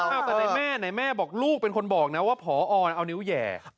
แต่ในแม่บอกลูกเป็นคนบอกนะว่าผอเอานิ้วแหย่